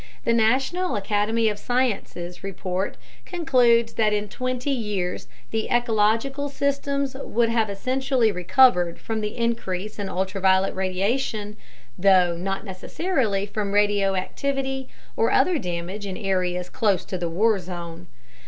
The National Academy of Sciences report concludes that in 20 years the ecological systems would have essentially recovered from the increase in ultraviolet radiation though not necessarily from radioactivity or other damage in areas close to the war zone.